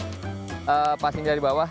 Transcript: sekarang ada dari bawah passingnya dari bawah